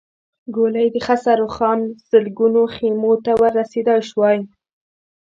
ګولۍ يې د خسروخان سلګونو خيمو ته ور رسېدای شوای.